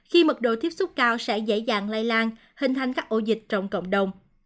khi mật độ tiếp xúc cao sẽ dễ dàng lây lan hình thành các ổ dịch trong cộng đồng